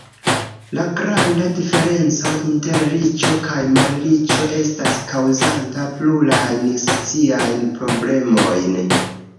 La granda diferenco inter riĉo kaj malriĉo estas kaŭzanta plurajn sociajn problemojn.